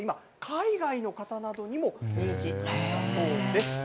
今、海外の方などにも人気だそうです。